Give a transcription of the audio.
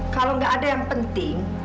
kalau nggak ada yang penting